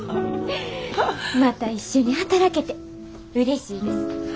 また一緒に働けてうれしいです。